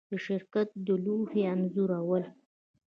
د شرکت د لوحې انځورول